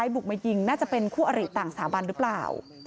บุกมายิงน่าจะเป็นคู่อริต่างสถาบันหรือเปล่า